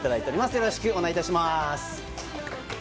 よろしくお願いします。